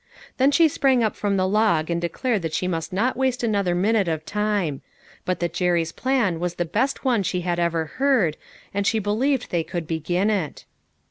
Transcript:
Then she sprang up from the log and de clared that she must not waste another minute of time ; but that Jerry's plan was the best one she had ever heard, and she believed they could begin it.